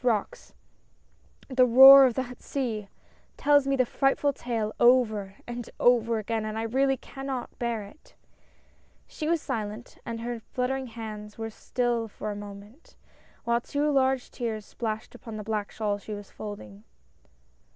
63 rocks — the roar of that sea — tells me the frightful tale over and over again, and I really cannot bear it I " She was silent, and her fluttering hands were still for a moment, while two large tears splashed upon the black shawl she was folding.